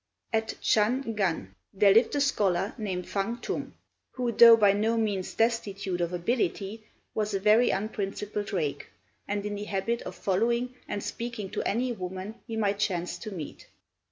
At Ch'ang ngan there lived a scholar, named Fang Tung, who though by no means destitute of ability was a very unprincipled rake, and in the habit of following and speaking to any woman he might chance to meet.